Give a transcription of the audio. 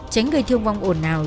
tránh gây thương vong ổn hào